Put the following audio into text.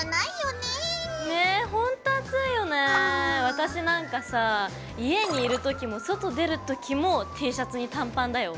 私なんかさ家にいる時も外出る時もＴシャツに短パンだよ。